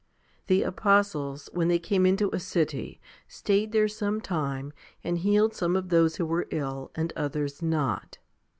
The apostles, when they came into a city, stayed there some time, and healed some of those who were ill, and others not.